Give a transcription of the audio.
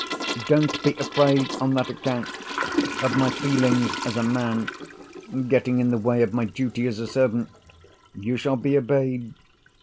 Don't be afraid, on that account, of my feelings as a man getting in the way of my duty as a servant! You shall be obeyed.